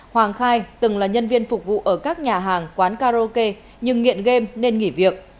hoàng khai từng là nhân viên phục vụ ở các nhà hàng quán karaoke nhưng nghiện game nên nghỉ việc